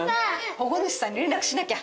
保護主さんに連絡しなきゃ。